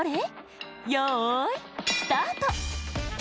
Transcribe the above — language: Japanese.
よいスタート！